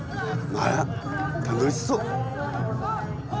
あら楽しそう。